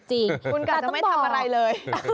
แต่ต้องบอกคุณกัดจะไม่ทำอะไรเลย